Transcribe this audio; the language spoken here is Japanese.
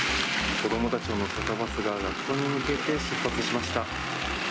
子どもたちを乗せたバスが学校に向けて出発しました。